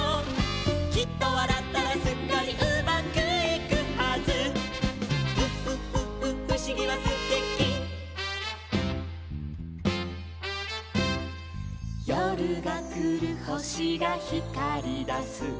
「きっとわらったらすっかりうまくいくはず」「うふふふふしぎはすてき」「よるがくるほしがひかりだす」